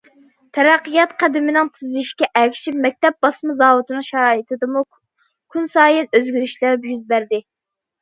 تەرەققىيات قەدىمىنىڭ تېزلىشىشىگە ئەگىشىپ، مەكتەپ باسما زاۋۇتىنىڭ شارائىتىدىمۇ كۈنسايىن ئۆزگىرىشلەر يۈز بەردى.